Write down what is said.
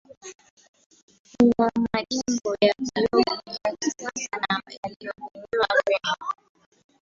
Kuna majengo ya vioo ya kisasa na yaliyobuniwa vyema